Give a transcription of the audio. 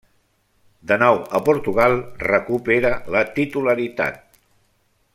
De nou a Portugal, recupera la titularitat.